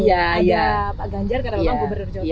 ada pak ganjar karena memang bu berderjotaka